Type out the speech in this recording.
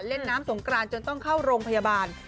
เล่นน้ำสงกรานจนต้องเข้าโรงพยาบาล